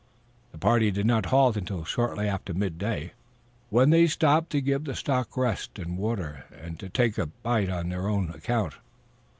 The party did not halt until shortly after midday, when they stopped to give the stock rest and water and to take a bite on their own account.